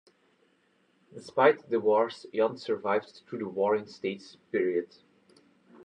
Despite the wars, Yan survived through the Warring States period.